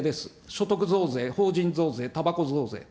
所得増税、法人増税、たばこ増税。